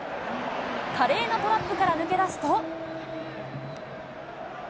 華麗なトラップから抜け出すと。